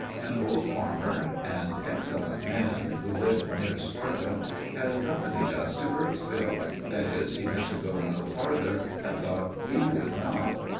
An old farmer and excellent man, who lived near Sparta, had accompanied us to Burkesville; that is, he meant to go no farther, and thought we would not.